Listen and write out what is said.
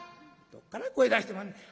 「どっから声出してまんねん」。